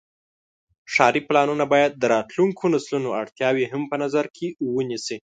ښاري پلانونه باید د راتلونکو نسلونو اړتیاوې هم په نظر کې ونیسي.